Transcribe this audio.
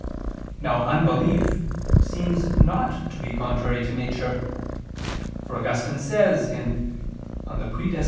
Now unbelief seems not to be contrary to nature; for Augustine says (De Praedest.